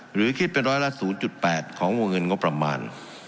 หรือคิดเป็นร้อยละ๐๘ของวงเงินงบประมาณ